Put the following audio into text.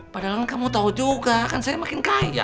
padahal kan kamu tau juga kan saya makin kaya